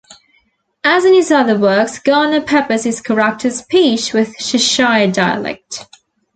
As in his other works, Garner peppers his characters' speech with Cheshire dialect.